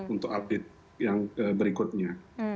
untuk update yang berikutnya